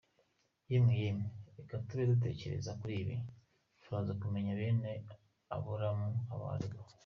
Yemwe, yemwe, reka tube dutekereza kuri ibi, turaza kumenya bene Aburahamu abo aribo.